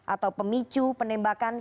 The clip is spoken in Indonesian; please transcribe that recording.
atau pemicu penembakan